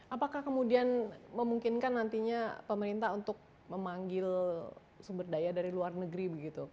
apakah kemudian memungkinkan nantinya pemerintah untuk memanggil sumber daya dari luar negeri begitu